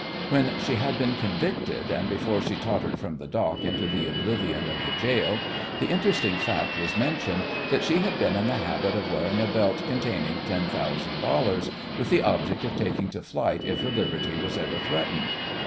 When she had been convicted, and before she tottered from the dock into the oblivion of the gaol, the interesting fact was mentioned that she had been in the habit of wearing a belt containing ten thousand dollars, with the object of taking to flight if her liberty was ever threatened.